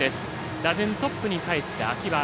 打順トップにかえって、秋葉。